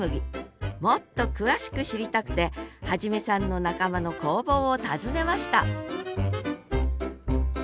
もっと詳しく知りたくて元さんの仲間の工房を訪ねました